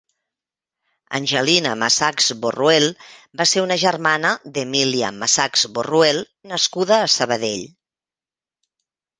Angelina Masachs Borruel va ser una germana d'Emília Masachs Borruel nascuda a Sabadell.